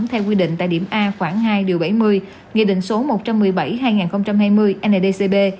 theo quy định tại điểm a khoảng hai điều bảy mươi nghị định số một trăm một mươi bảy hai nghìn hai mươi ndcb